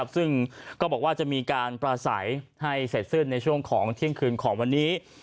ซึ่งก็บอกว่าจะมีการประสัยให้เสร็จสิ้นในช่วงของเที่ยงคืนของวันนี้